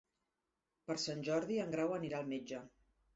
Per Sant Jordi en Grau anirà al metge.